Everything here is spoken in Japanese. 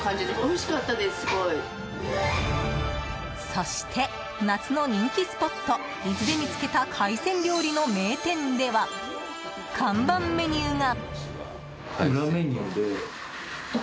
そして、夏の人気スポット伊豆で見つけた海鮮料理の名店では看板メニューが。